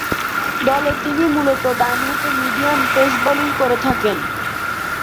দলে তিনি মূলতঃ ডানহাতে মিডিয়াম পেস বোলিং করে থাকেন।